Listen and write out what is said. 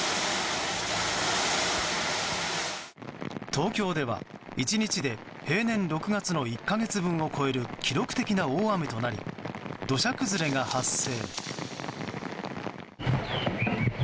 東京では、１日で平年６月の１か月分を超える記録的な大雨となり土砂崩れが発生。